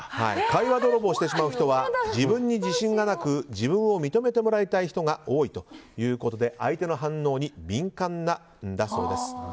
会話泥棒してしまう人は自分に自信がなく自分を認めてもらいたい人が多いということで相手の反応に敏感なんだそうなんです。